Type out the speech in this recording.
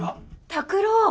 拓郎！